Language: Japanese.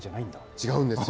違うんですよ。